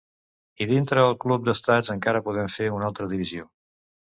I dintre el club d’estats encara podem fer una altra divisió.